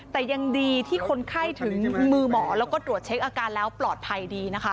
แต่ยังดีที่คนไข้ถึงมือหมอแล้วก็ตรวจเช็คอาการแล้วปลอดภัยดีนะคะ